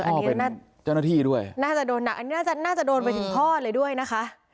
อันนี้น่าจะโดนไปถึงพ่อเลยด้วยนะคะ